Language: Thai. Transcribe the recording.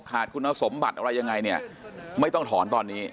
ขาดคุณสมบัติอะไรยังไงไม่ต้องถอนตอนนี้